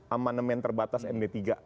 amanemen terbatas md tiga